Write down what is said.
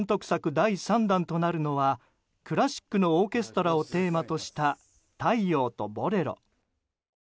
第３弾となるのはクラシックのオーケストラをテーマとした「太陽とボレロ」。